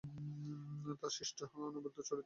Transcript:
তার সৃষ্ট এক অনবদ্য চরিত্র অদম্য সেন।